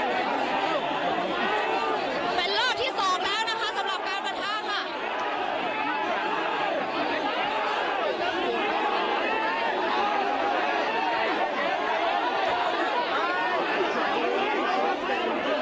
เป็นเลิศที่สองแล้วนะคะสำหรับการบรรทางค่ะ